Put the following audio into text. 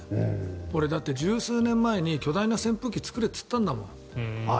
俺だって、１０数年前に巨大な扇風機作れって言ったんだもん。